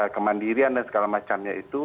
kemandirian dan segala macamnya itu